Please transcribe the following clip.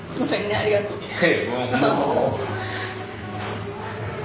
ありがとうございます。